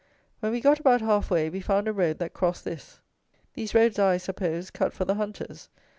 When we got about half way, we found a road that crossed this. These roads are, I suppose, cut for the hunters.